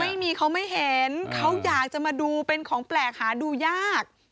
ไม่มีเขาไม่เห็นเขาอยากจะมาดูเป็นของแปลกหาดูยาก